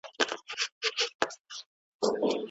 د سوځولو کوره څنګه کار کوي؟